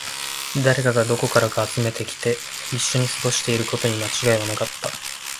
誰かがどこからか集めてきて、一緒に過ごしていることに間違いはなかった